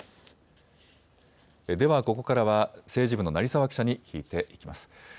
ではここからは政治部の成澤記者に聞いていきます。